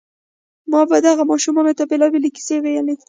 ما به دغه ماشوم ته بېلابېلې کيسې ويلې.